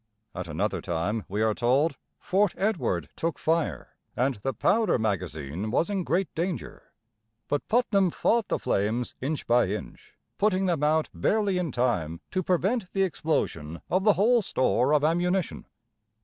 At another time, we are told, Fort Edward took fire, and the powder magazine was in great danger. But Putnam fought the flames inch by inch, putting them out barely in time to prevent the explosion of the whole store of ammunition.